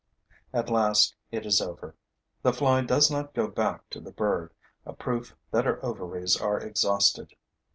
At last, it is over. The fly does not go back to the bird, a proof that her ovaries are exhausted.